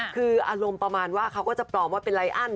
คืออารมณ์ประมาณว่าเขาก็จะปลอมว่าเป็นไรอัน